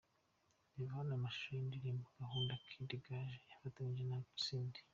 Reba hano amashusho y'indirimbo'Gahunda' Kid Gaju yafatanyije na Cindy.